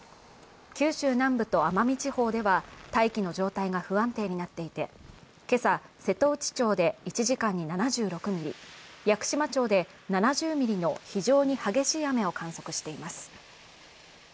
九州南部と奄美地方では大気の状態が不安定になっていて今朝、瀬戸内町で１時間に７６ミリ、屋久島町で７０ミリの非常に激しい雨を観測しています。